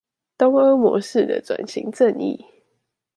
東歐模式的轉型正義